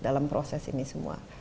dalam proses ini semua